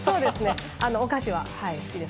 お菓子は好きです。